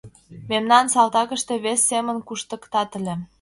Мемнам салтакыште вес семын куштыктат ыле.